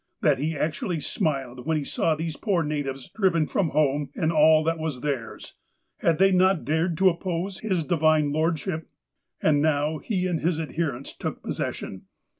That he actually smiled when he saw these poor natives driven from home and all that was theirs. Had they not dared to oppose " His Divine Lordship "? And now, he and his adherents took possession.